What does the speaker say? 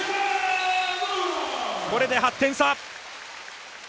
これで８点差！